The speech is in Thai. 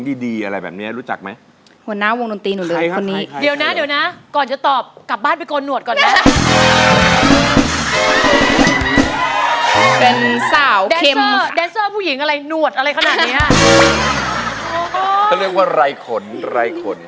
เธอเรียกว่าไรขนไรขน